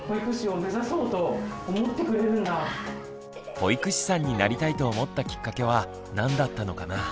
保育士さんになりたいと思ったきっかけは何だったのかな？